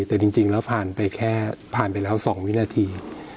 แต่จริงแล้วผ่านไปแค่ผ่านไปแล้ว๒วินาที